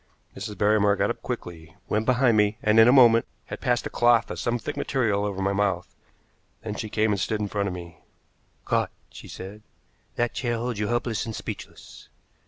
Mrs. Barrymore got up quickly, went behind me, and, in a moment, had passed a cloth of some thick material over my mouth. Then she came and stood in front of me. "Caught!" she said. "That chair holds you helpless and speechless.